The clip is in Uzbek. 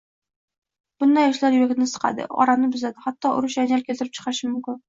Bunday ishlar yurakni siqadi, orani buzadi, hatto urush-janjal keltirib chiqarishi mumkin.